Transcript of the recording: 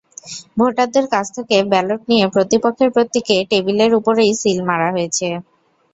ভোটারদের কাছ থেকে ব্যালট নিয়ে প্রতিপক্ষের প্রতীকে টেবিলের ওপরেই সিল মারা হয়েছে।